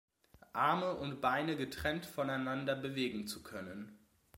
Arme und Beine, getrennt voneinander bewegen zu können.